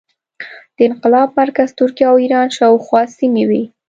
د انقلاب مرکز ترکیه او ایران شاوخوا سیمې وې.